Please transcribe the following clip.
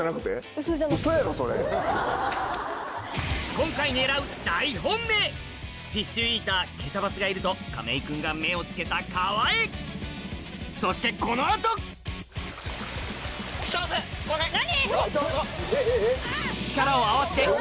今回狙う大本命フィッシュイーター「ケタバス」がいると亀井君が目を付けた川へそしてこの後何？